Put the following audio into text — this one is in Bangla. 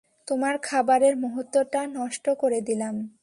তোমার খাবারের মূহুর্তটা নষ্ট করে দিলাম।